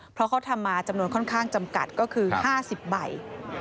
เพราะเขาทำมาจำนวนค่อนข้างจำกัดก็คือ๕๐ใบ